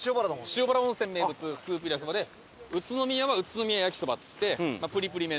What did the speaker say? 塩原温泉名物スープ焼きそばで宇都宮は宇都宮焼きそばっつってプリプリ麺の。